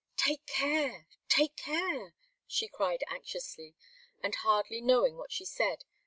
"Take care, take care!" she cried, anxiously, and hardly knowing what she said.